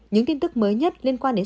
những tin tức mới nhất liên quan đến